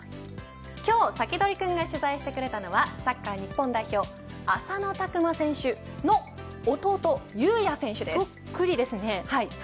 今日サキドリくんが取材してくれたのはサッカー日本代表浅野拓磨選手の弟そっくりですね。